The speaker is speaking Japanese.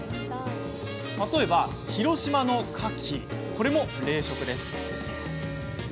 例えば広島のカキ、これも冷食。